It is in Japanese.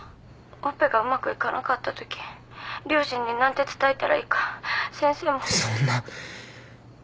オペがうまくいかなかったとき両親に何て伝えたらいいか先生もそんな。